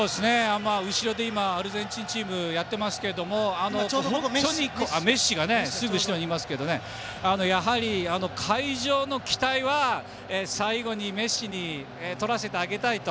後ろで今アルゼンチンチームメッシも練習していますがやはり会場の期待は最後にメッシに取らせてあげたいと。